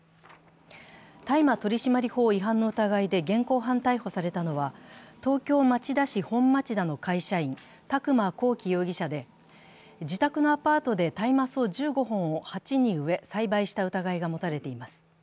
大麻取締法違反の疑いで現行犯逮捕されたのは東京・町田市本町田の会社員、宅間孔貴容疑者で、自宅のアパートで大麻草１５本を鉢に植え、栽培した疑いが持たれています。